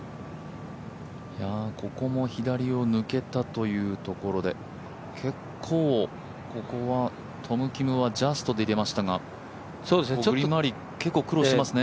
ここも左を抜けたというところで結構、ここはトム・キムはジャストで入れましたが、グリーン周り苦労してますね。